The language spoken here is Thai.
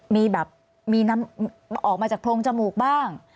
มีแบบมีน้ำออกมาจากโพรงจมูกบ้าง